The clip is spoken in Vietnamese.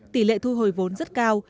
tỷ lệ thu hồi vốn rất cao